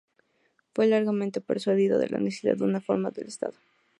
Fue largamente persuadido de la necesidad de una reforma en su estado.